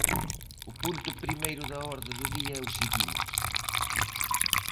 O punto primeiro da orde do día é o seguinte.